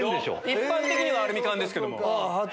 一般的にはアルミ缶ですけども。